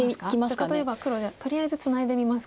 じゃあ例えば黒とりあえずツナいでみますか。